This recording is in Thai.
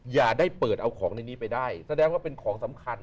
อย่าได้เปิดเอาของในนี้ไปได้แสดงว่าเป็นของสำคัญ